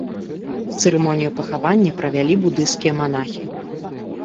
Цырымонію пахавання правялі будысцкія манахі.